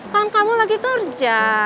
kan kamu lagi kerja